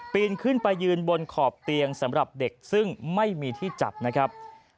ปีนขึ้นไปยืนบนขอบเตียงสำหรับเด็กซึ่งไม่มีที่จับนะครับ